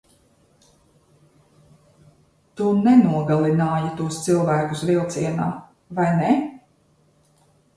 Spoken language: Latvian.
Tu nenogalināji tos cilvēkus vilcienā, vai ne?